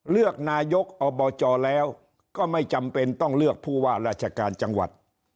เลือกนายกอบจแล้วก็ไม่จำเป็นต้องเลือกผู้ว่าราชการจังหวัด